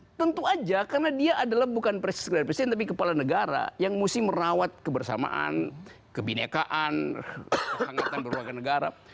ini tentu aja karena dia bukan presiden presiden tapi kepala negara yang mesti merawat kebersamaan kebinekaan kehangatan berwarga negara